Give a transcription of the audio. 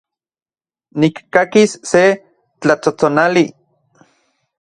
Nikkakis se tlatsotsonali